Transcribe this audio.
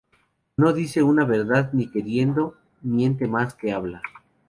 No dice una verdad ni queriendo, miente más que habla